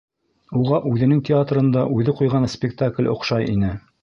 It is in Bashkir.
Уға үҙенең театрында үҙе ҡуйған спектакль оҡшай ине.